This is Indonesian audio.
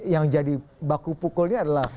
yang jadi baku pukulnya adalah